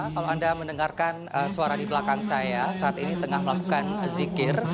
kalau anda mendengarkan suara di belakang saya saat ini tengah melakukan zikir